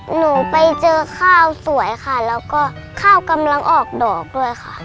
หนูไปเจอข้าวสวยค่ะแล้วก็ข้าวกำลังออกดอกด้วยค่ะ